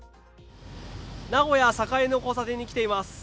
名古屋・栄の交差点に来ています。